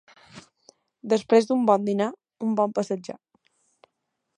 Després d'un bon dinar, un bon passejar.